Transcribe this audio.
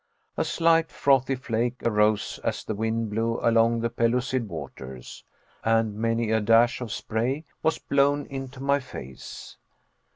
A slight frothy flake arose as the wind blew along the pellucid waters; and many a dash of spray was blown into my face.